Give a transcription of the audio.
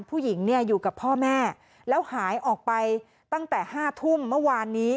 ผู้หญิงเนี่ยอยู่กับพ่อแม่แล้วหายออกไปตั้งแต่๕ทุ่มเมื่อวานนี้